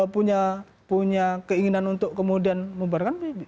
punya punya keinginan untuk kemudian membaharakan